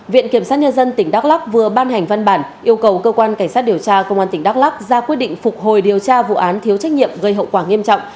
viện kiểm sát nhân dân tỉnh đắk lắc vừa ban hành văn bản yêu cầu cơ quan cảnh sát điều tra công an tỉnh đắk lắc ra quyết định phục hồi điều tra vụ án thiếu trách nhiệm gây hậu quả nghiêm trọng